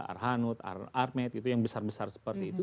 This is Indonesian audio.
arhanut armet itu yang besar besar seperti itu